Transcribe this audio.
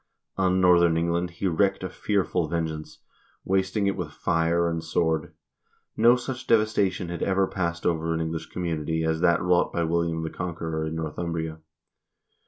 On northern England he wreaked a fearful vengeance, wasting it with fire and sword. No such devastation had ever passed over an English community as that wrought by William the Conqueror in Northumbria.